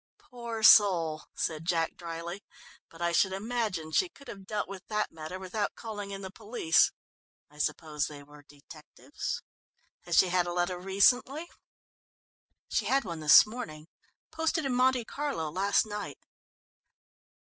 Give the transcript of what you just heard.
"Poor soul," said Jack dryly, "but I should imagine she could have dealt with that matter without calling in the police. I suppose they were detectives. Has she had a letter recently?" "She had one this morning posted in Monte Carlo last night."